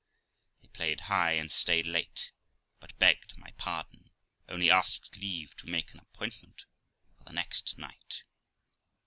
They played high and stayed Ia4e, but begged my pardon, only asked leave to make an appoint ment for the next night.